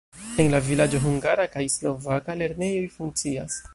En la vilaĝo hungara kaj slovaka lernejoj funkcias.